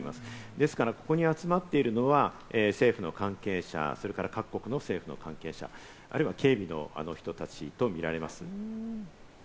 ですから、ここに集まっているのは政府の関係者、それから各国の政府関係者、あるいは警備の人たちと見られます。